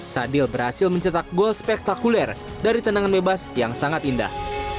sadil berhasil mencetak gol spektakuler dari tendangan bebas yang sangat indah